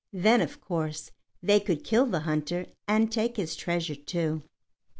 Then of course, they could kill the hunter and take his treasure too.